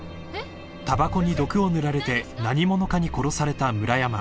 ［たばこに毒を塗られて何者かに殺された村山］